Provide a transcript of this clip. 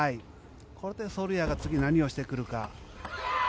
これでソルヤが次、何をしてくるか。